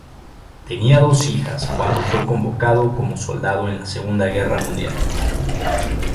Tenía dos hijas cuando fue convocado como soldado en la Segunda Guerra Mundial.